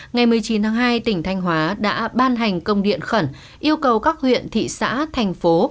ngày một mươi chín tháng hai tỉnh thanh hóa đã ban hành công điện khẩn yêu cầu các huyện thị xã thành phố